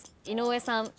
井上さん。